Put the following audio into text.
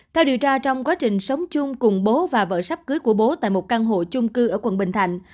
theo điều tra trong quá trình sống chung cùng bố và vợ sắp cưới của bố tại một căn hộ chung cư ở quận bình thạnh